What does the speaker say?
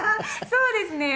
そうですね。